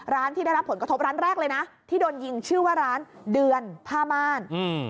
ร้านที่ได้รับผลกระทบร้านแรกเลยนะที่โดนยิงชื่อว่าร้านเดือนผ้าม่าน